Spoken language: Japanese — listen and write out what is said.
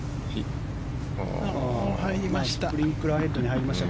入りました。